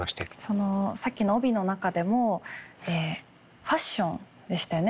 そのさっきの帯の中でもファッションでしたよね